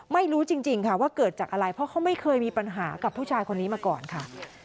ไม่รู้จริงค่ะว่าเกิดจากอะไรเพราะเขาไม่เคยมีปัญหากับผู้ชายคนนี้มาก่อนค่ะ